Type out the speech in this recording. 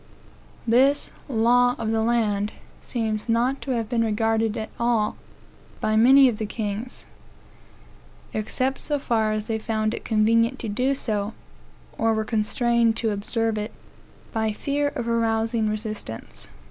This "law of the land" seems not to have been regarded at all by many of the kings, except so far as they found it convenient to do so, or were constrained to observe it by the fear of arousing resistance.